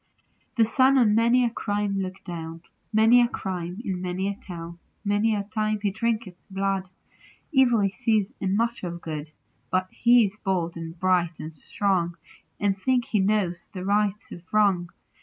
The Sun on many a crime looks down ; Many a crime in many a town ; Many a time he drinketh blood ; Evil he sees, and much of good ; But he is bold, and bright, and strong, And thinks he knows the right of wrong.